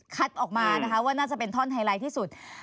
ออกมานะคะว่าน่าจะเป็นท่อนไฮไลท์ที่สุด